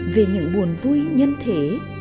về những buồn vui nhân thể